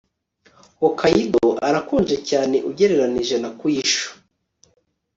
Hokkaido arakonje cyane ugereranije na Kyushu